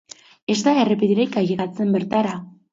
Ez da errepiderik ailegatzen bertara.